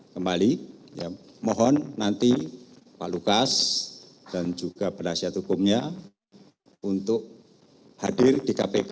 kembali mohon nanti pak lukas dan juga penasihat hukumnya untuk hadir di kpk